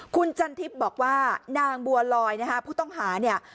คุณจันทิพย์บอกว่านางบัวลอยนะฮะผู้ต้องหาเนี่ย